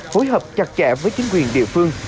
hối hợp chặt chẽ với chính quyền địa phương